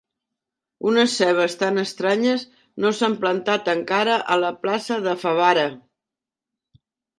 Unes cebes tan estranyes no s'han plantat encara, a la plaça de Favara.